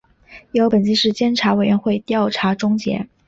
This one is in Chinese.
由北京市监察委员会调查终结